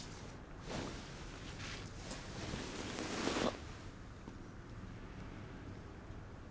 あっ。